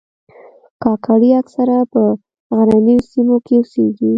کاکړي اکثره په غرنیو سیمو کې اوسیږي.